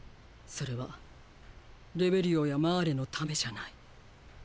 それはレベリオやマーレのためじゃない。